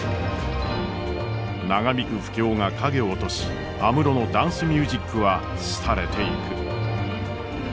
長引く不況が影を落とし安室のダンスミュージックは廃れていく。